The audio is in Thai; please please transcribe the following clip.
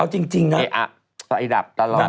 เอาจริงนะไฟดับตลอด